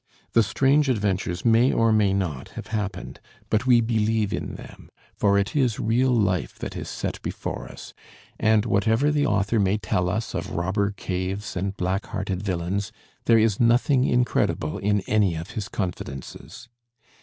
The strange adventures may or may not have happened, but we believe in them, for it is real life that is set before us; and whatever the author may tell us of robber caves and black hearted villains, there is nothing incredible in any of his confidences.